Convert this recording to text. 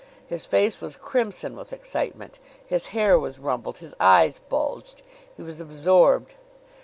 His face was crimson with excitement; his hair was rumpled; his eyes bulged. He was absorbed.